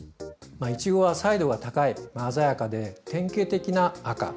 いちごは彩度が高い鮮やかで典型的な赤。